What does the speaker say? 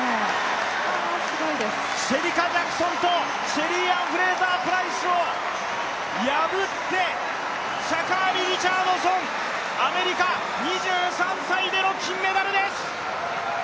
シェリカ・ジャクソンとシェリーアン・プライスを破ってシャカリ・リチャードソン、アメリカ、２３歳での金メダルです。